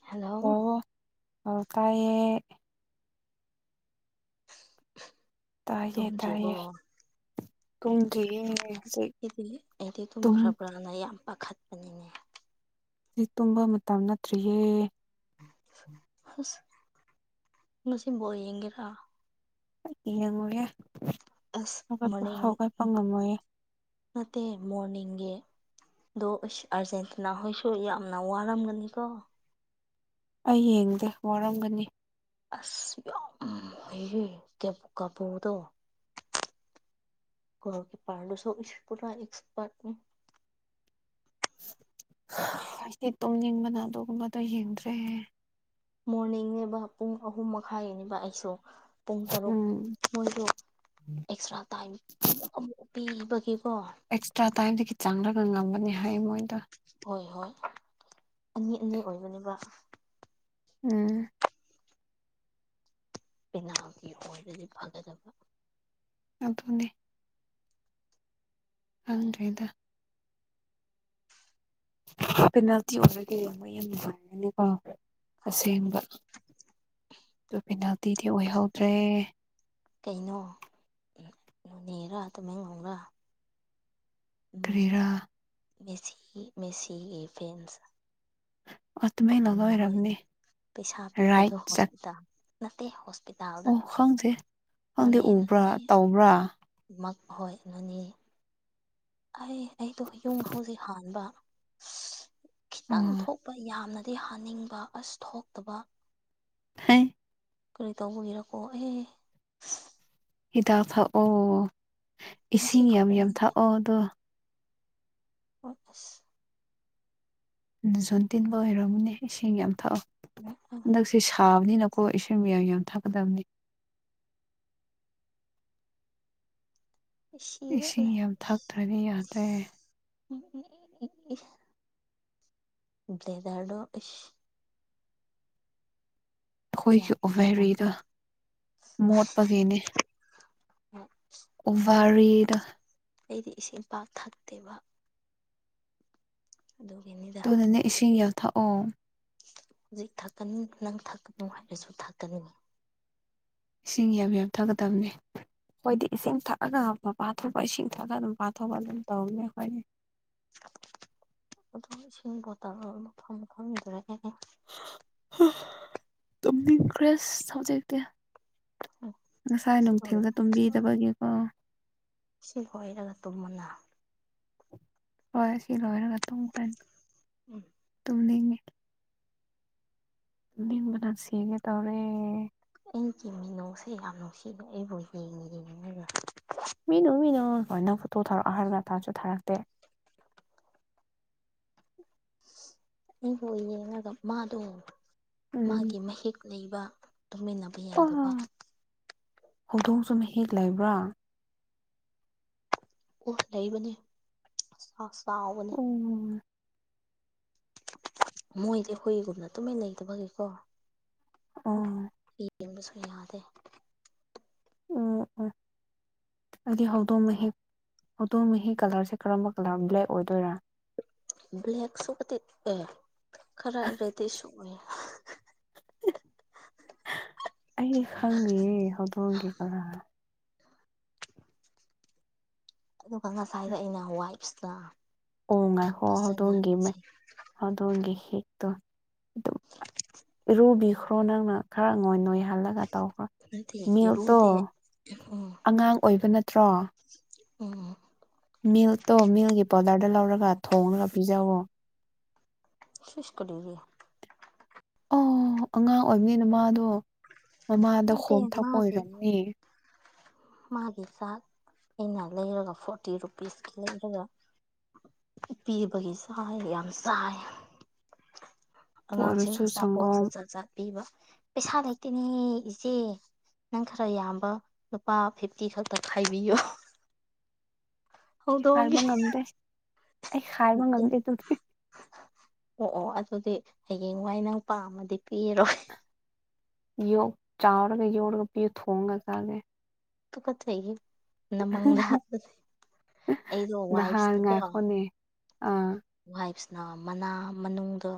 hello ꯑꯣ ꯑꯣ ꯇꯥꯏꯌꯦ ꯇꯥꯏꯌꯦ ꯇꯨꯝꯗ꯭ꯔꯤꯕꯣ ꯇꯥꯏꯌꯦ ꯇꯨꯝꯗ꯭ꯔꯤꯌꯦ ꯍꯧꯖꯤꯛ ꯑꯩꯗꯤ ꯑꯩꯗꯤ ꯇꯨꯝ ꯇꯨꯝꯈ꯭ꯔꯕ꯭ꯔꯅ ꯌꯥꯝ ꯄꯥꯈꯠꯄꯅꯤꯅꯦ ꯍꯧꯖꯤꯛ ꯇꯨꯝꯕ ꯃꯇꯝ ꯅꯠꯇ꯭ꯔꯤꯌꯦ ꯍꯁ ꯉꯁꯤ ꯕꯣꯜ ꯌꯦꯡꯒꯦꯔꯥ ꯑꯩꯗꯤ ꯌꯦꯡꯉꯣꯏꯌꯦ ꯑꯁ ꯃꯅꯤꯡ ꯅꯠꯇꯦ ꯃꯣꯔꯅꯤꯡꯒꯤ ꯑꯗꯣ ꯑꯁ ꯑꯥꯔꯖꯦꯟꯇꯤꯅꯥꯍꯣꯏꯁꯨ ꯌꯥꯝꯅ ꯋꯥꯔꯝꯒꯅꯤ ꯀꯣ ꯑꯩ ꯌꯦꯡꯗꯦ ꯋꯥꯔꯝꯒꯅꯤ ꯑꯁ ꯌꯥꯝ ꯍꯩꯔꯦ ꯀꯥ ꯀꯦꯄꯣꯗꯣ ꯒꯣꯜ ꯀꯤꯄꯔꯗꯨꯁꯨ ꯄꯨꯔꯥ ꯑꯦꯛꯁꯄꯔꯠꯅꯤ ꯑꯩꯗꯤ ꯇꯨꯝꯅꯤꯡꯕꯅ ꯑꯗꯨꯒꯨꯝꯕꯗꯣ ꯌꯦꯡꯗ꯭ꯔꯦ ꯃꯣꯔꯅꯤꯡꯅꯦꯕ ꯄꯨꯡ ꯑꯍꯨꯝ ꯃꯈꯥꯏ ꯌꯦꯡꯉꯦꯕ ꯑꯩꯁꯨ ꯄꯨꯡ ꯇꯔꯨꯛ ꯎꯝ ꯃꯣꯏꯗꯣ ꯑꯦꯛꯁꯇ꯭ꯔꯥ ꯇꯥꯏꯝ ꯑꯃꯨꯛ ꯑꯃꯨꯛ ꯄꯤꯕꯒꯤꯀꯣ ꯑꯦꯛꯁꯇ꯭ꯔꯥ ꯇꯥꯏꯝꯗꯒꯤ ꯆꯪꯂꯔꯒ ꯉꯝꯒꯅꯤ ꯍꯥꯏꯌꯦ ꯃꯣꯏꯗꯣ ꯍꯣꯏ ꯍꯣꯏ ꯑꯅꯤ ꯑꯅꯤ ꯑꯣꯏꯕꯅꯦꯕ ꯎꯝ ꯄꯦꯅꯥꯜꯇꯤ ꯑꯣꯏꯔꯗꯤ ꯐꯒꯗꯕ ꯑꯗꯨꯅꯦ ꯈꯪꯗ꯭ꯔꯦꯗ ꯄꯦꯅꯥꯜꯇꯤ ꯑꯣꯏꯕꯒꯤ ꯃꯣꯏ ꯌꯥꯝ ꯅꯨꯡꯉꯥꯏꯒꯅꯤꯀꯣ ꯍꯣꯏ ꯑꯁꯦꯡꯕ ꯑꯗꯨ ꯄꯦꯅꯥꯜꯇꯤꯗꯤ ꯑꯣꯏꯍꯧꯗ꯭ꯔꯦ ꯀꯩꯅꯣ ꯅꯣꯅꯦꯔꯥ ꯇꯃꯦꯡꯂꯣꯡꯔꯥ ꯎꯝ ꯀꯔꯤꯔꯥ ꯃꯦꯁꯤ ꯃꯦꯁꯤꯒꯤ ꯐꯦꯟꯁ ꯑꯣ ꯇꯨꯃꯦꯡꯂꯣꯡꯗ ꯃꯣꯢ ꯑꯣꯏꯔꯝꯅꯤ ꯄꯩꯁꯥ ꯔꯥꯏꯠ ꯄꯤꯕꯗ ꯆꯠ ꯍꯣꯁꯄꯤꯇꯥꯜ ꯅꯠꯇꯦ ꯍꯣꯁꯄꯤꯇꯥꯜꯗ ꯑꯣ ꯈꯪꯗꯦ ꯈꯪꯗꯦ ꯎꯕ꯭ꯔꯥ ꯇꯧꯕ꯭ꯔꯥ ꯃꯈꯣꯢ ꯅꯣꯅꯤ ꯑꯩ ꯑꯩꯗꯣ ꯌꯨꯡ ꯍꯧꯖꯤꯛ ꯍꯥꯟꯕ ꯈꯤꯇꯪ ꯎꯝ ꯊꯣꯛꯄ ꯌꯥꯝꯅ ꯗꯤ ꯍꯥꯅꯤꯡꯕ ꯑꯁ ꯊꯣꯛꯇꯕ ꯍꯥꯏ ꯀꯔꯤ ꯇꯧꯕꯒꯤꯔꯀꯣ ꯑꯦ ꯍꯤꯗꯥꯛ ꯊꯥꯛꯑꯣ ꯉꯁꯤ ꯏꯁꯤꯡ ꯌꯥꯝ ꯌꯥꯝ ꯈꯛꯇꯅꯤ ꯊꯥꯛꯑꯣ ꯑꯗꯣ ꯍꯣꯢ ꯑꯁ ꯖꯣꯟ ꯇꯤꯟꯕ ꯑꯣꯏꯔꯝꯒꯅꯦ ꯏꯁꯤꯡ ꯌꯥꯝ ꯊꯛꯑꯣ ꯑ ꯁꯤ ꯁꯥꯕꯅꯤꯅꯀꯣ ꯏꯁꯩꯁꯤꯡ ꯃꯌꯥꯝ ꯌꯥꯝ ꯊꯛꯀꯗꯕꯅꯤ ꯁꯤꯤꯕ ꯏꯁꯤꯡ ꯌꯥꯝ ꯊꯛꯇ꯭ꯔꯗꯤ ꯌꯥꯗ꯭ꯔꯦ ꯏꯦꯗꯗꯣ ꯏ ꯑꯩꯈꯣꯏꯒꯤ ꯌꯥꯗꯕ ꯎꯕꯦꯔꯤꯗ ꯃꯣꯠꯄꯒꯤꯅꯦ ꯑꯩ ꯎꯔꯤꯗ ꯑꯩꯗꯤ ꯏꯁꯤꯡ ꯄꯥꯛ ꯊꯛꯇꯦꯕ ꯑꯗꯨꯒꯒꯤꯅꯤꯗ ꯑꯗꯨꯅꯅꯦ ꯏꯁꯤꯡ ꯌꯥꯎꯊꯛꯑꯣ ꯍꯧꯖꯤꯛ ꯊꯥꯛꯀꯅꯤ ꯅꯪ ꯊꯥꯛꯀꯅꯨ ꯍꯥꯏꯔꯁꯨ ꯊꯥꯛꯀꯅꯤ ꯏꯁꯤꯡ ꯌꯥꯝ ꯌꯥꯝꯊꯛꯒꯗꯕꯅꯤ ꯑꯩꯈꯣꯏꯗꯤ ꯏꯁꯤꯡ ꯊꯛꯑꯒ ꯄꯥꯊꯣꯛꯄ ꯏꯁꯤꯡ ꯊꯛꯑꯒ ꯑꯗꯨꯝ ꯄꯥꯊꯣꯛꯄ ꯑꯗꯨꯝ ꯇꯧꯅꯦ ꯑꯩꯈꯣꯏꯅꯦ ꯁꯤꯕ ꯃꯥ ꯃꯥ ꯃꯤꯖꯔꯒꯅꯦ ꯑꯗꯨ ꯏ꯭ꯔꯦꯁ ꯊꯧꯖꯛꯇꯦ ꯉꯁꯥꯏ ꯁꯤ ꯂꯣꯏ ꯅꯨꯡꯊꯤꯜꯗ ꯇꯨꯝꯕꯤꯗꯕꯒꯤ ꯁꯤ ꯍꯣꯏꯔꯒ ꯇꯨꯝꯃꯅ ꯂꯣꯏ ꯁꯤ ꯂꯣꯏꯔ ꯉ ꯇ ꯐ ꯎꯝ ꯇꯧꯅꯤꯡꯉꯦ ꯅꯤꯡꯕꯅ ꯁꯤꯒꯦ ꯇꯧꯔꯦ ꯑꯩꯒꯤ ꯃꯤꯅꯨꯡꯁꯦ ꯌꯥꯝ ꯅꯨꯡꯁꯤꯅ ꯑꯩꯕꯨ ꯌꯦꯡꯅ ꯌꯦꯅꯤꯡꯉꯥꯏꯕ ꯃꯤꯅꯨ ꯃꯤꯅ ꯁꯨꯃꯥꯏꯅꯪ ꯐꯣꯇꯣ ꯊꯥꯔꯛꯑꯣ ꯍꯥꯏꯕꯇꯥꯥꯡꯁꯨ ꯊꯥꯔꯛꯇꯦ ꯑꯩꯕꯨ ꯌꯦꯡꯉꯒ ꯃꯥꯗꯣ ꯎꯝ ꯃꯥꯒꯤ ꯃꯍꯤꯛ ꯂꯩꯕ ꯇꯨꯝꯃꯤꯟꯅꯕ ꯌꯥꯗꯕ ꯍꯧꯗꯣꯡꯁꯨꯅ ꯍꯦꯛ ꯂꯩꯕ꯭ꯔꯥ ꯑꯣꯠ ꯂꯩꯕꯅꯤ ꯆꯥꯛ ꯆꯥꯎꯕꯅꯤ ꯎꯝ ꯃꯣꯏꯗꯤ ꯍꯈꯣꯏꯏꯒꯨꯝꯅ ꯇꯨꯃꯥꯏ ꯂꯩꯇꯕꯒꯤꯀꯣ ꯑꯣ ꯌꯦꯡꯕꯁꯨ ꯌꯥꯗꯦ ꯎꯝ ꯎꯝ [inaudible] ꯑꯩꯗꯤ ꯍꯧꯗꯣꯡ ꯃꯍꯤꯛ ꯍꯧꯗꯣꯡ ꯃꯍꯤ ꯀꯂꯔꯁꯦ ꯀꯔꯝꯕ ꯀꯂꯔ ꯕ꯭ꯂꯦꯛ ꯑꯣꯏꯗꯣꯏꯔꯥ ꯕ꯭ꯂꯦꯛꯦꯛꯁꯨꯣ ꯑꯦ ꯈꯔꯔ ꯔꯦꯗꯤ ꯁ ꯑꯣꯏ ꯑꯩꯗꯤ ꯈꯪꯉꯦꯌꯦ ꯍꯧꯗꯣꯡꯒꯦ ꯀꯔꯥ ꯑꯗꯨꯒ ꯉꯁꯥꯏꯗ ꯑꯩꯅ ꯋꯥꯏꯐꯁꯇ ꯑꯣ ꯉꯥꯏ ꯍꯣ ꯍꯧꯗꯣꯡꯒꯦꯃꯦ ꯑꯗꯣꯝꯒꯤ ꯍꯦꯛꯇꯣ ꯑꯗꯨꯝ ꯏꯔꯨꯕꯤꯈ꯭ꯔꯣ ꯅꯪꯅ ꯈꯔ ꯑꯣꯏꯗꯣꯏ ꯌꯥꯍꯜꯂꯒ ꯇꯧꯈ꯭ꯔ ꯅꯠꯇꯦ ꯃꯌꯇꯣ ꯏꯔꯨꯗꯦ ꯑꯉꯥꯡ ꯑꯣꯏꯕ ꯅꯠꯇ꯭ꯔꯣ ꯑꯣ ꯃꯤꯜꯛꯇꯣ ꯃꯤꯜꯛꯀꯤ ꯄꯥꯎꯗꯔꯗ ꯂꯧꯔꯒ ꯊꯣꯉꯒ ꯄꯤꯖꯧ ꯁꯨꯁꯀꯔꯤ ꯑꯣ ꯑꯉꯥꯡ ꯑꯣꯏꯕꯅꯤꯅ ꯃꯥꯗꯣ ꯃꯃꯥꯗ ꯍꯣꯝ ꯊꯛꯄ ꯑꯣꯏꯔꯝꯅꯦ ꯃꯥꯒꯤꯦ ꯆꯥꯛ ꯑꯩꯅ ꯂꯩꯔꯒ ꯐꯣꯔꯇꯤ ꯔꯨꯄꯤꯁꯀꯤ ꯂꯩꯔꯒ ꯄꯤꯕꯒꯤ ꯆꯥꯏ ꯌꯥꯝ ꯆꯥꯏ ꯑꯗꯨ ꯑꯉꯥꯡꯁꯤꯡꯅ ꯑꯣꯏꯔꯁꯨ ꯑꯆꯥꯄꯣꯠꯁꯨ ꯁꯪꯒꯣꯝ ꯆꯆꯥ ꯆꯥꯠ ꯄꯤꯕ ꯄꯩꯁꯥ ꯂꯩꯇꯦꯅꯦ ꯁꯦ ꯅꯪ ꯈꯔ ꯌꯥꯝꯕ ꯂꯨꯄꯥ ꯐꯤꯐꯇꯤ ꯈꯛꯇ ꯈꯥꯏꯕꯤꯌꯣ ꯍꯧꯗꯣꯡꯒꯤ ꯍꯥꯏꯕ ꯉꯝꯗꯦ ꯑꯩ ꯍꯥꯏꯕ ꯉꯝꯗꯦ ꯑꯗꯨꯗꯤ ꯑꯣ ꯑꯣ ꯑꯗꯨꯗꯤ ꯍꯌꯦꯡꯋꯥꯏ ꯅꯪ ꯄꯥꯝꯃꯗꯤ ꯄꯤꯔꯣꯏ ꯌꯣꯛ ꯆꯥꯎꯔꯒ ꯌꯧꯔꯒ ꯄꯤꯌ ꯊꯣꯡꯉ ꯆꯥꯒꯦ ꯀꯊ ꯆꯍꯤꯦ ꯅꯃꯪꯗ ꯑꯩꯗꯣ ꯅꯍꯥꯟ ꯋꯥꯏꯐꯁꯅꯀꯣ ꯉꯥꯏꯈꯣꯅꯦ ꯑꯥ ꯋꯥꯏꯐꯁꯅ ꯃꯅꯥ ꯃꯅꯨꯡꯗꯣ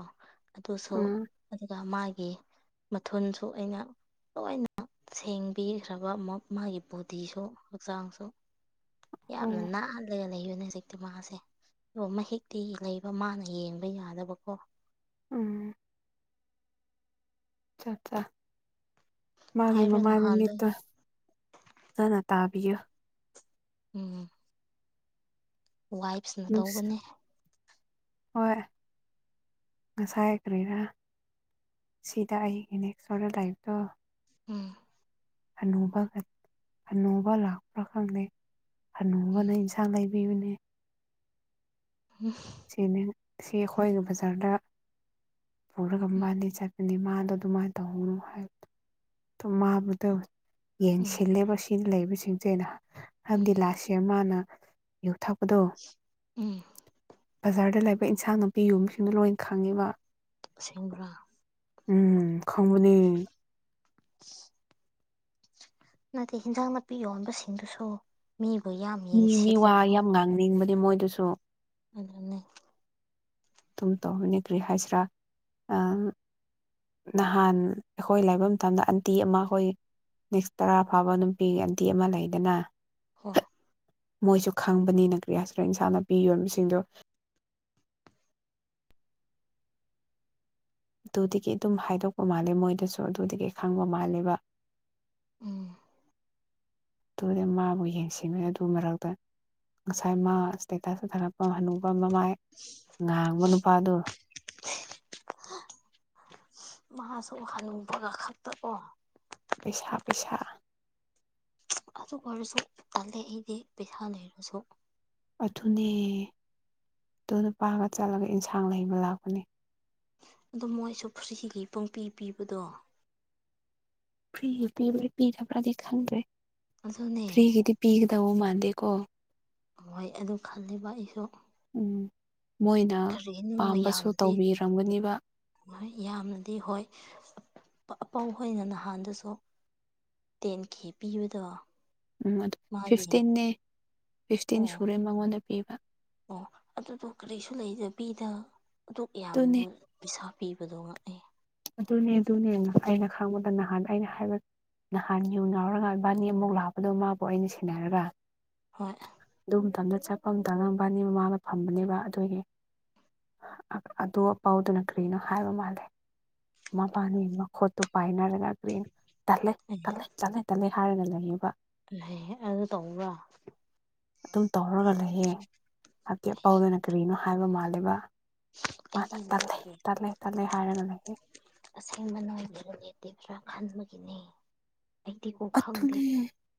ꯑꯗꯨꯁꯨ ꯑꯥ ꯑꯗꯨꯒ ꯃꯥꯒꯤ ꯃꯊꯣꯟꯁꯨ ꯑꯩꯅ ꯂꯣꯏꯅ ꯁꯦꯡꯕꯤꯈ꯭ꯔꯕ ꯑꯃꯨꯛ ꯃꯥꯒꯤ ꯕꯣꯗꯤꯁꯨ ꯍꯛꯆꯥꯡꯁꯨ ꯌꯥꯝꯅ ꯑꯣ ꯅꯥ ꯂꯩ ꯂꯩꯌꯨꯅꯦ ꯍꯧꯖꯤꯛꯇꯤ ꯃꯥꯁꯦꯣ ꯃꯍ ꯍꯦꯛꯇꯤ ꯂꯩꯕ ꯃꯥꯅ ꯌꯦꯡꯕ ꯌꯥꯗꯕꯀꯣ ꯎꯝ ꯠꯆꯥ ꯃꯥꯒꯤ ꯍꯥꯏꯔꯣ ꯃꯃꯥꯏ ꯃ ꯅꯍꯥꯟꯗꯣ ꯃꯤꯠꯇ ꯅ ꯅ ꯇꯥꯕꯌ ꯎꯝ ꯋꯥꯏꯐꯁꯅ ꯅꯨꯡꯁꯤ ꯇꯧꯕꯅꯦ ꯍꯣꯏ ꯉꯁꯥꯏꯈ꯭ꯔꯦꯔꯥ ꯁꯤꯗ ꯑꯩꯒꯤ ꯅꯦꯛꯁ ꯑꯣꯗ ꯂꯥꯏꯐꯇꯣ ꯎꯝ ꯑꯅꯧꯕ ꯑꯅꯧꯕ ꯂꯥꯛꯄ꯭ꯔꯥ ꯈꯪꯗ ꯎꯝ ꯑꯅꯧꯕꯅ ꯏꯁꯥ ꯂꯩꯕꯤꯕꯅꯦ ꯎꯝ ꯁꯤꯅꯦ ꯁꯤ ꯑꯩꯈꯣꯏꯒꯤ ꯕꯖꯥꯔꯗ ꯄꯨꯔꯒ ꯃꯥꯗꯤ ꯆꯠꯦ ꯑꯗꯤ ꯃꯥꯗꯣ ꯑꯗꯨꯃꯥꯏꯅ ꯇꯧꯍꯧꯅꯨ ꯍꯥꯏꯕꯗꯣ ꯑꯣ ꯃꯥꯕꯨꯗ ꯎꯝ ꯎꯝ ꯌꯦꯡꯁꯤꯜꯂꯦꯕ ꯁꯤꯅ ꯂꯩꯕꯁꯤꯡꯁꯦ ꯑꯩꯅ ꯍꯥꯏꯕꯗꯤ ꯎꯝ ꯂꯥꯁꯁꯤ ꯃꯥꯅ ꯌꯣꯛ ꯊꯛꯄꯗꯣ ꯎꯝ ꯕꯖꯥꯔꯗ ꯂꯩꯕ ꯏꯟꯁꯥꯡ ꯅꯨꯄꯤ ꯌꯨꯝꯕꯁꯤꯡꯗꯣ ꯂꯣꯏ ꯈꯪꯉꯤꯕ ꯒꯔꯥ ꯎꯝ ꯈꯪꯕꯅꯦ ꯅꯠꯇꯦ ꯍꯟꯖꯥꯡ ꯅꯥꯄꯤ ꯌꯣꯟꯕꯁꯤꯡꯗꯨꯁꯨ ꯃꯤꯕꯨ ꯌꯥꯝ ꯌꯦꯡꯁꯤꯜꯂꯦꯀꯣ ꯍꯪꯅꯤꯡꯕꯗꯤ ꯃꯣꯏꯗꯨꯁꯨ ꯑꯅꯦ ꯇꯨꯝ ꯇꯧꯅꯤ ꯀ꯭ꯔꯤ ꯍꯥꯏꯁꯤꯔꯥ ꯑ ꯅꯍꯥꯟ ꯑꯩꯈꯣꯏ ꯂꯥꯏꯕ ꯃꯇꯝꯗ ꯑꯟꯇꯤ ꯑꯃ ꯑꯩꯈꯣꯏ ꯅꯦꯛꯁ ꯇꯔꯥ ꯐꯥꯕ ꯅꯨꯄꯤꯒꯤ ꯑꯟꯇꯤ ꯑꯃ ꯂꯩꯗꯅ ꯍ ꯃꯣꯏꯁꯨ ꯈꯪꯕꯅꯤꯅ ꯀ꯭ꯔꯤꯌꯥꯁꯤꯔ ꯏꯟꯁꯥꯅ ꯄꯤ ꯌꯣꯁꯤꯡꯗꯣ ꯑꯗꯨꯗꯒꯤ ꯑꯗꯨꯝ ꯍꯥꯏꯗꯣꯛꯄ ꯃꯥꯜꯂꯦ ꯃꯣꯏꯗꯁꯨ ꯑꯗꯨꯗꯒꯤ ꯈꯪꯕ ꯃꯥꯜꯂꯦꯕ ꯎꯝ ꯑꯗꯨꯗ ꯃꯥꯕꯨ ꯌꯦꯡꯁꯤꯕ ꯑꯗꯨ ꯃꯔꯛꯇ ꯉꯁꯥꯏ ꯃꯥ ꯏꯁꯇꯦꯇꯁ ꯍꯊꯔꯛꯄ ꯍꯅꯨꯕ ꯃꯃꯥꯏ ꯉꯥꯡꯕ ꯅꯨꯄꯥꯗꯨ ꯃꯍꯥꯛꯁꯨ ꯎꯍꯟꯅꯤꯡꯕꯒ ꯈꯛꯇꯑꯣ ꯄꯩꯁꯥ ꯄꯩꯁꯥ ꯑꯗꯨ ꯑꯣꯏꯔꯁꯨ ꯇꯜꯂꯦ ꯑꯩꯗꯤ ꯄꯩꯁꯥ ꯂꯩꯔꯁꯨ ꯑꯗꯨꯊꯨꯅꯦ ꯑꯗꯨꯣ ꯅꯨꯄꯥꯒ ꯆꯠꯂꯒ ꯏꯟꯁꯥꯡ ꯂꯩꯕ ꯂꯥꯛꯄꯅꯦ ꯑꯗꯣ ꯃꯣꯏꯁꯨ ꯐ꯭ꯔꯤꯒꯤ ꯄꯨꯡꯄꯤ ꯄꯤꯕꯗꯣ ꯐ꯭ꯔꯤꯒꯤ ꯄꯤꯕ꯭ꯔꯥ ꯄꯤꯗꯕ꯭ꯔꯥꯗꯤ ꯈꯪꯗ꯭ꯔꯦ ꯑꯗꯨꯅꯦ ꯐ꯭ꯔꯤꯒꯤꯗꯤ ꯄꯤꯒꯗꯕ ꯃꯥꯟꯗꯦꯀꯣ ꯍꯣꯏ ꯑꯗꯨ ꯈꯜꯂꯤꯕ ꯑꯩꯁꯨ ꯎꯝ ꯃꯣꯏꯅ ꯀꯔꯤꯅꯣ ꯄꯥꯝꯕꯁꯨ ꯌꯥꯝꯅꯗꯤ ꯇꯧꯕꯤꯔꯝꯒꯅꯤꯕ ꯍꯣꯏ ꯌꯥꯝꯅꯗꯤ ꯍꯣꯏ ꯑꯄꯧ ꯑꯣꯏꯅ ꯅꯍꯥꯟꯗꯁꯨ ꯇꯦꯟ ꯀꯦ ꯄꯤꯕꯗꯣ ꯎꯝ ꯑꯗꯨ ꯃꯥꯒꯤ ꯐꯤꯐꯇꯤꯦ ꯐꯤꯐꯇꯤꯟ ꯑꯣ ꯁꯨꯔꯦ ꯃꯉꯣꯟꯗ ꯄꯤꯕ ꯑꯣ ꯑꯗꯨꯗꯣ ꯀꯔꯤꯁꯨ ꯂꯩꯖꯕꯤꯗ ꯑꯗꯨ ꯑꯗꯨꯅꯦ ꯌꯥꯝꯌꯥꯝꯕ ꯄꯩꯁꯥ ꯄꯤꯕꯗꯣ ꯉꯥꯛꯑꯦ ꯑꯗꯨꯅꯦ ꯑꯗꯨꯅꯦꯅ ꯑꯩꯅ ꯈꯪꯕꯗ ꯅꯍꯥꯟ ꯑꯩꯅ ꯍꯥꯏꯕ ꯅꯍꯥꯟ ꯌꯨꯝ ꯉꯥꯎꯔꯒ ꯏꯕꯥꯅꯤ ꯑꯃꯨꯛ ꯂꯥꯛꯄꯗꯣ ꯃꯥꯕꯨ ꯑꯩꯅ ꯁꯦꯟꯅꯔꯒ ꯍꯣꯏ ꯑꯗꯨ ꯃꯇꯝꯗ ꯆꯠꯄ ꯑꯝꯇ ꯉꯝꯕꯥꯅꯤ ꯃꯃꯥꯡꯗ ꯐꯝꯕꯅꯦꯕ ꯑꯗꯨꯒꯤ ꯑꯗꯨ ꯑ ꯄꯥꯎꯗꯨꯅ ꯀꯔꯤꯅꯣ ꯍꯥꯏꯕ ꯃꯥꯜꯂꯦ ꯃꯕꯥꯅꯤ ꯃꯈꯣꯠꯇꯨ ꯄꯥꯏꯅꯔꯒ ꯀꯒ꯭ꯔꯔꯤꯅ ꯇꯜꯂꯦ ꯇꯠꯂꯦ ꯇꯠꯂꯦ ꯇꯠꯂꯦ ꯍꯥꯏꯔꯒ ꯂꯩꯌꯦꯕ ꯂꯩ ꯑꯗꯨ ꯇꯧꯕꯧꯕ꯭ꯔ ꯑꯗꯨꯝ ꯇꯧꯔꯒ ꯂꯩꯌꯦ ꯍꯥꯏꯕꯗꯤ ꯄꯥꯎꯗꯅ ꯀꯔꯤꯅꯣ ꯍꯥꯏꯕ ꯃꯥꯜꯂꯤꯕ ꯃꯥ ꯑꯩꯗꯤ ꯇꯜꯂꯦ ꯅꯣꯏꯒꯤ ꯇꯜꯂꯦ ꯇꯜꯂꯦ ꯍꯥꯏꯔꯅ ꯂꯩ ꯑꯁꯦꯡꯕ ꯅꯕꯅꯦꯠꯇꯤꯕ꯭ꯔꯥ ꯈꯟꯕꯒꯤꯅꯤ ꯑꯩꯗꯤꯤꯀꯣ ꯈꯪꯗꯦ ꯑꯗꯨꯅꯦ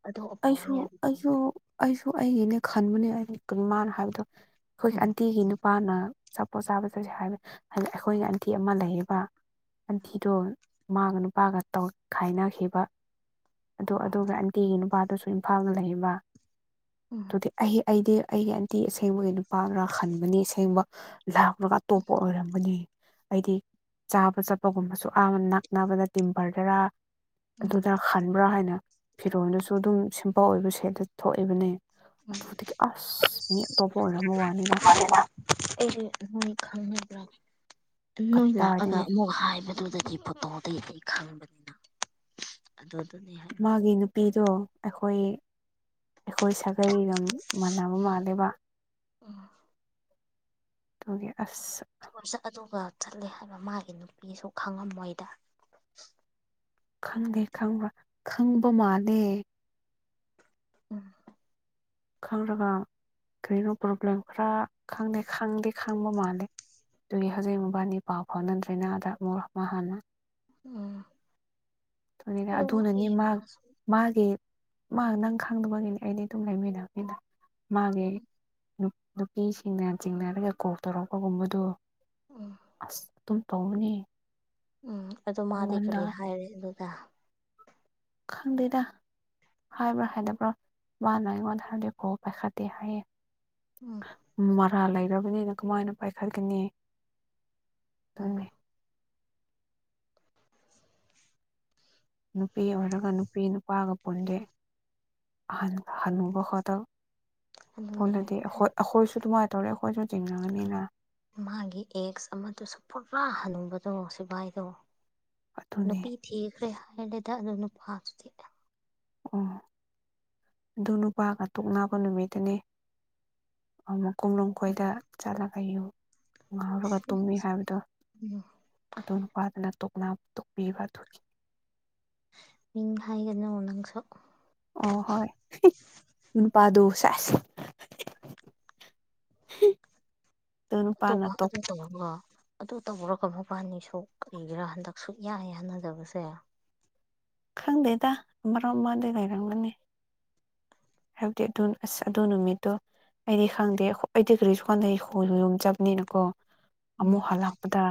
ꯑꯗꯣ ꯑꯄꯥꯎ ꯑꯩꯁꯨ ꯌꯥꯏꯕꯤ ꯑꯩꯁꯨ ꯈꯪꯗꯦ ꯑꯩꯁꯨ ꯑꯩꯒꯤꯅꯦ ꯈꯟꯕꯅꯦꯃꯥꯅ ꯍꯥꯏꯕꯗꯣ ꯑꯩꯈꯣꯏꯒꯤ ꯎꯝ ꯑꯟꯇꯤꯒꯤ ꯅꯨꯄꯤ ꯄꯥꯅ ꯆꯄꯣꯠ ꯆꯥꯕ ꯆꯠꯁꯦ ꯍꯥꯏꯕ ꯍꯥꯏ ꯑꯩꯈꯣꯏꯒꯤ ꯑꯟꯊꯤ ꯑꯃ ꯂꯩꯔꯤꯕ ꯑꯟꯇꯤꯗꯣ ꯃꯥꯒ ꯅꯨꯄꯥꯒ ꯇꯧ ꯈꯥꯏꯅꯈꯤꯕ ꯑꯗꯣ ꯑꯣ ꯑꯗꯨꯒ ꯑꯟꯇꯤꯒꯤ ꯅꯨꯄꯥꯗꯨꯁꯨ ꯏꯝꯐꯥꯜꯗ ꯂꯩꯕ ꯑꯣ ꯑꯩ ꯑꯩꯗꯤ ꯑꯩꯒꯤ ꯑꯟꯇꯤ ꯑꯁꯦꯡꯕꯒꯤ ꯅꯨꯄꯥꯅ ꯍꯟꯕꯅꯤ ꯑꯁꯦꯡꯕ ꯂꯥꯛꯔꯒ ꯑꯇꯣꯞꯄ ꯑꯣꯏꯔꯝꯕꯅꯤ ꯍꯥꯏꯗꯤ ꯆꯥꯕ ꯆꯠꯄꯒꯨꯝꯕꯁꯨ ꯑꯥ ꯅꯛꯅꯕ ꯅꯠꯇꯦ ꯕꯔꯗꯔꯥ ꯎꯝ ꯑꯗꯨꯗ ꯍꯟꯕ꯭ꯔꯥ ꯍꯥꯏꯅ ꯐꯤꯔꯣꯟꯜꯗꯨꯁꯨ ꯑꯗꯨꯝ ꯁꯤꯝꯄꯜ ꯑꯣꯏꯕ ꯁꯦꯠꯇ ꯊꯣꯛꯏꯕꯅꯦ ꯎꯝ ꯑꯗꯨꯗꯒꯤ ꯑꯁ ꯃꯤ ꯑꯇꯣꯞꯄ ꯑꯣꯏꯔꯝꯃ ꯋꯥꯅꯤꯅ ꯑꯩ ꯅꯣꯏ ꯈꯪ ꯅꯣꯏ ꯂꯥꯛꯑꯒ ꯀꯗꯥꯏꯗꯒꯤ ꯑꯃꯨꯛ ꯍꯥꯏꯕꯗꯨꯗꯒꯤ ꯐꯣꯇꯣꯗꯒꯤ ꯑꯩ ꯈꯪꯕꯅꯤꯅ ꯑꯗꯨ ꯑꯗꯨꯅꯤ ꯃꯥꯒꯤ ꯅꯨꯄ ꯅꯨꯄꯤꯗꯣ ꯑꯩꯈꯣꯏ ꯑꯩꯈꯣꯏ ꯁꯥꯒꯩ ꯑꯗꯨꯝ ꯃꯥꯟꯅꯕ ꯃꯥꯜꯂꯦꯕ ꯎꯝ ꯑꯣꯗꯨꯒꯤ ꯑꯁ ꯀꯣꯏꯁꯠ ꯑꯗꯨꯒ ꯆꯠꯂꯦ ꯍꯥꯏꯕ ꯃꯥꯒꯤ ꯅꯨꯄꯤꯁꯨ ꯈꯪꯉꯝꯃꯣꯏꯗ ꯈꯪꯗꯦ ꯈꯪꯕ꯭ꯔꯥ ꯈꯪꯕ ꯃꯥꯜꯂꯦ ꯎꯝ ꯈꯪꯔꯒ ꯀꯔꯤꯅꯣ ꯄ꯭ꯔꯣꯕ꯭ꯂꯦꯝ ꯐ ꯈꯪꯗꯦ ꯈꯪꯗꯦ ꯈꯪꯕ ꯃꯥꯂꯦ ꯑꯗꯨꯒꯤ ꯍꯧꯖꯤꯛ ꯃꯣꯕꯥꯏꯜꯗꯤ ꯄꯥꯎ ꯐꯥꯎꯅꯗ꯭ꯔꯦꯅ ꯑꯗ ꯑꯃꯨꯛ ꯍꯥꯟꯅ ꯎꯝ ꯅꯤꯅꯦ ꯑꯗꯨ ꯑꯗꯨꯅꯅꯦ ꯉꯥꯛꯑꯦ ꯃꯥ ꯃꯥꯁꯨ ꯃꯥꯒꯤ ꯃꯥ ꯅꯪ ꯈꯪꯗꯕꯒꯤꯅꯤ ꯑꯩꯗꯤ ꯑꯗꯨꯝ ꯂꯩꯃꯤꯟꯅꯕ ꯃꯤꯗ ꯃꯥꯒꯤ ꯅꯨꯄꯤꯁꯤꯡꯅ ꯆꯤꯡꯅꯔꯒ ꯀꯣꯛ ꯇꯧꯔꯛꯄꯒꯨꯝꯕꯗꯨ ꯎꯝ ꯑꯁ ꯑꯗꯨꯝ ꯇꯧꯕꯅꯦ ꯎꯝ ꯑꯗꯨ ꯃꯥꯗꯤ ꯀꯔꯤ ꯍꯥꯏꯔꯦ ꯑꯗꯨꯒ ꯈꯪꯗꯦꯗ ꯍꯥꯏꯕ꯭ꯔ ꯈꯥꯏꯗ ꯄꯨꯔꯣ ꯋꯥ ꯅꯥꯏꯉꯣꯟ ꯊꯔꯗꯤ ꯀꯣ ꯄꯩꯁꯥꯗꯤ ꯍꯥꯏꯔꯌꯦ ꯎꯝ ꯃꯔꯥꯜ ꯂꯩꯔꯕꯅꯤꯅ ꯀꯃꯥꯏꯅ ꯄꯥꯏꯈꯠꯀꯅꯤ ꯎꯝ ꯑꯗꯨ ꯅꯨꯄꯤ ꯑꯣꯏꯔꯒ ꯅꯨꯄꯤ ꯅꯨꯄꯥꯒ ꯄꯨꯟꯖꯩ ꯍ ꯍꯅꯨꯕ ꯍꯗ ꯑꯗꯨꯅꯦ ꯐꯂꯗꯤ ꯍ ꯑꯩꯈꯣꯏꯁꯨ ꯑꯗꯨꯃꯥꯏꯅ ꯇꯧꯔꯦ ꯑꯩꯈꯣꯏꯁꯨ ꯆꯤꯡꯟꯅꯒꯅꯤꯅ ꯃꯥꯒꯤ ꯑꯦꯛꯁ ꯑꯃꯗꯨꯁꯨ ꯄꯨꯔꯥ ꯍꯜꯅꯤꯡꯨꯕꯗꯣ ꯁꯤꯚꯏꯗꯣ ꯑꯗꯨꯅꯦ ꯅꯨꯄꯤ ꯊꯤꯈ꯭ꯔꯦ ꯍꯥꯏꯗ ꯑꯗꯨꯅ ꯄꯥꯁꯇ ꯑꯣ ꯑꯗꯨ ꯅꯨꯄꯥꯒ ꯇꯣꯛ ꯅꯕ ꯅꯨꯃꯤꯠꯇꯅꯦ ꯑ ꯀꯨꯝꯅꯨꯡ ꯈꯣꯏꯗ ꯆꯠꯂꯒꯨ ꯉꯥꯎꯔꯒ ꯇꯨꯝꯃꯤ ꯍꯥꯏꯕꯗꯣ ꯎꯝ ꯑ ꯅꯨꯄꯥꯗꯅ ꯇꯣꯛ ꯇꯣꯛꯄꯤꯕꯈꯤ ꯃꯤꯡ ꯍꯥꯏꯒꯅꯨ ꯅꯪꯁꯨ ꯑꯣ ꯍꯣꯏ ꯅꯨꯄꯥꯗꯨ ꯆꯥꯏꯁ ꯍꯝ ꯇ ꯑꯗꯨ ꯇ ꯑꯗꯨ ꯇꯧꯕꯔꯒ ꯃꯕꯥꯅꯤꯁꯨ ꯀꯔꯤꯒꯤꯔꯥ ꯍꯟꯗꯛ ꯁꯨ ꯌꯥꯏ ꯍꯅꯖꯕꯁꯦ ꯈꯪꯗꯦꯗ ꯑꯔꯣ ꯃꯗꯩ ꯂꯥꯏꯔꯒꯅꯅꯦ ꯍꯥꯏꯕꯗꯤ ꯑꯗꯨ ꯑꯁ ꯑꯗꯨ ꯅꯨꯃꯤꯠꯇꯣ ꯑꯩꯗꯤ ꯈꯪꯗꯦ ꯑꯩꯗꯤ ꯀꯔꯤ ꯁꯣꯟꯗꯩꯣꯏꯁꯨ ꯌꯣꯝ ꯆꯕꯅꯤꯅꯀꯣ ꯎꯝ ꯑꯃꯨꯛ ꯍꯜꯂꯛꯄ ꯗ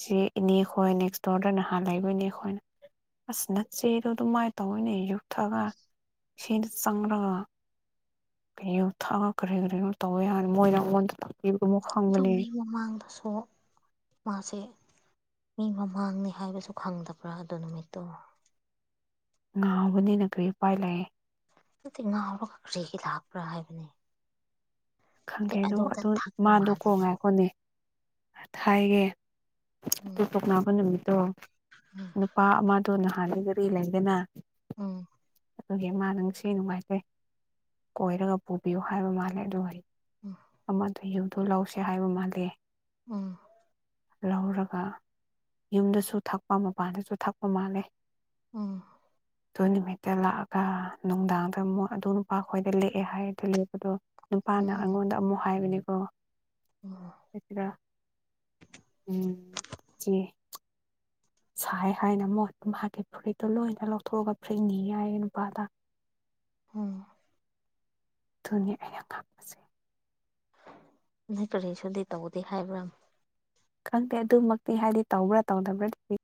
ꯁꯤ ꯏꯅꯦ ꯈꯈꯣꯏ ꯅꯦꯛꯁꯇꯣꯔꯗ ꯅꯍꯥꯟ ꯂꯩꯕ ꯏꯅꯦ ꯑꯩꯈꯣꯏꯅ ꯑꯁ ꯅꯆꯦꯗꯣ ꯑꯗꯨꯃꯥꯏꯅ ꯇꯧꯅꯦ ꯌꯣꯛꯊꯛꯑꯒ ꯏꯗ ꯆꯪꯔꯒ ꯀ ꯊꯥꯛꯑꯒ ꯀꯔꯤ ꯀꯔꯤꯅꯣ ꯇꯧꯕ ꯌꯥꯅꯤ ꯃꯣꯏꯅ ꯑꯩꯉꯣꯟꯗ ꯇꯥꯛꯄꯤꯕ ꯑꯃ ꯑꯗꯨ ꯈꯪꯕꯅꯦ ꯃꯤ ꯃꯃꯥꯡꯗꯁꯨ ꯃꯥꯁꯦ ꯃꯤ ꯃꯃꯥꯡꯅꯤ ꯍꯥꯏꯕꯁꯨ ꯈꯪꯗꯕ꯭ꯔꯥ ꯑꯗꯣ ꯅꯨꯃꯤꯠꯇꯣ ꯉꯥꯕꯅꯤꯅ ꯀꯔꯤ ꯎꯄꯥꯏ ꯂꯩꯛꯑꯦ ꯑꯗꯨꯗꯤ ꯉꯥꯎꯔꯒ ꯈꯔꯦꯒꯤ ꯂꯥꯛꯄ꯭ꯔꯥ ꯍꯥꯏꯕꯅꯦ ꯈꯪꯗꯦꯗꯣ ꯑꯗꯨ ꯊꯛꯄ ꯃꯥꯗꯣ ꯃꯥꯜꯂꯤꯗ ꯀꯣꯡꯉꯥꯏꯈꯣꯅꯦ ꯊꯥꯏꯒꯦ ꯎꯝ ꯑꯇꯣꯄꯣꯛꯅꯥꯕ ꯅꯨꯃꯤꯠꯇꯣ ꯅꯨꯄꯥ ꯑꯃꯗꯣ ꯅꯍꯥꯟꯗꯒꯔꯤ ꯂꯩꯗꯅ ꯎꯝ ꯑꯗꯨꯒꯤ ꯃꯥ ꯅꯨꯡꯁꯤ ꯅꯨꯡꯉꯥꯏꯖꯩ ꯀꯣꯏꯔꯒ ꯄꯨꯕꯤꯌꯨ ꯍꯥꯏꯕ ꯃꯥꯜꯂꯦ ꯑꯗꯨ ꯑꯩ ꯎꯝ ꯑꯃꯗ ꯌꯨꯗꯣ ꯂꯧꯁꯦ ꯍꯥꯏꯕ ꯃꯥꯜꯂꯦ ꯎꯝ ꯂꯧꯔꯒ ꯌꯨꯝꯗꯁꯨ ꯊꯛꯄ ꯃꯄꯥꯟꯗꯁꯨ ꯊꯛꯄ ꯃꯥꯜꯂꯦ ꯑꯥ ꯑꯗꯨ ꯅꯨꯃꯤꯠꯇ ꯂꯥꯛꯑꯒ ꯅꯨꯡꯗꯥꯡꯗ ꯑꯃꯨꯛ ꯑꯗꯨ ꯅꯨꯄꯥ ꯈꯣꯏꯗ ꯂꯦꯛꯑꯦ ꯍꯥꯏꯔꯗꯨ ꯂꯦꯕꯗꯣ ꯎꯝ ꯅꯨꯄꯥꯅ ꯎꯝ ꯑꯩꯉꯣꯟꯗ ꯑꯃꯨꯛ ꯍꯥꯏꯕꯅꯦꯀꯣ ꯎꯝ ꯐꯆ꯭ꯔꯥ ꯎꯝꯆ ꯁꯥꯏ ꯍꯥꯏꯅ ꯑꯃꯨꯛ ꯑꯗꯨ ꯃꯍꯥꯛꯀꯤ ꯐꯨꯔꯤꯠꯇꯣ ꯂꯣꯏꯅ ꯂꯧꯊꯣꯛꯑꯒ ꯐꯨꯔꯤꯠꯅꯤ ꯌꯥꯏꯌꯦ ꯅꯨꯄꯥꯗ ꯎꯝ ꯑꯗꯨꯅꯤ ꯑꯩꯅ ꯄꯥꯝꯁꯦ ꯅ ꯀꯔꯤ ꯁꯗꯤ ꯇꯧꯗꯦ ꯍꯥꯏꯕ꯭ꯔꯥ ꯈꯪꯗꯦ ꯑꯗꯨꯃꯛꯇꯤ ꯍꯥꯏꯗꯤ ꯇꯧꯕ꯭ꯔꯥ ꯇꯧꯗꯕ꯭ꯔꯥꯗꯤ